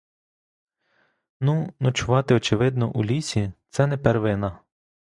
Ну, ночувати, очевидно, у лісі — це не первина.